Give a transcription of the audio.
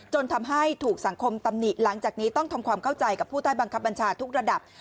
จนทำให้ถูกสังคมตำหนิหลังจากนี้ต้องทำความเข้าใจกับผู้ใต้บังคับบัญชาทุกระดับ